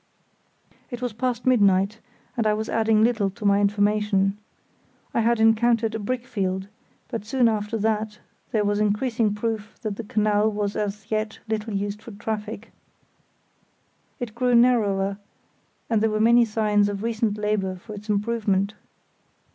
It was past midnight, and I was adding little to my information. I had encountered a brick field, but soon after that there was increasing proof that the canal was as yet little used for traffic. It grew narrower, and there were many signs of recent labour for its improvement.